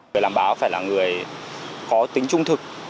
người làm báo phải là người có tính trung thực